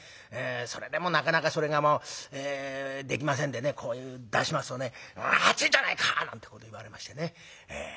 それでもなかなかそれがもうできませんでねこういうふうに出しますとね「熱いじゃないか！」なんてこと言われましてね。